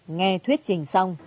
nghe thuyết trình xong